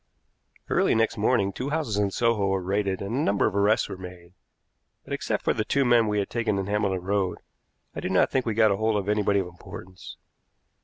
Early next morning two houses in Soho were raided and a number of arrests made; but, except for the two men we had taken in Hambledon Road, I do not think we got hold of anybody of importance.